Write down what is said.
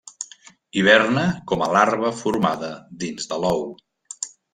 Hiberna com a larva formada dins de l'ou.